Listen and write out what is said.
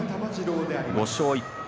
５勝１敗。